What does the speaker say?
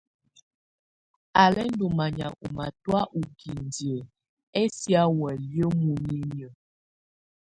Á lɛ̀ ndù manyà ù matɔ̀́á u kindiǝ ɛsɛ̀á wayɛ̀á muninyǝ́.